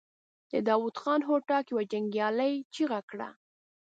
د داوود خان هوتک يوه جنګيالې چيغه کړه.